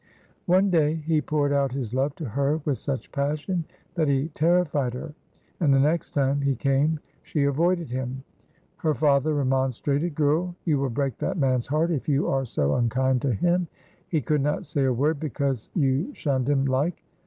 One day he poured out his love to her with such passion that he terrified her, and the next time he came she avoided him. Her father remonstrated. "Girl, you will break that man's heart if you are so unkind to him; he could not say a word because you shunned him like.